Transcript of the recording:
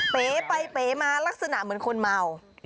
เป๋ไปเป๋มาลักษณะเหมือนคนเมา